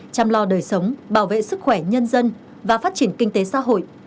chăm lo đời sống bảo vệ sức khỏe nhân dân và phát triển kinh tế xã hội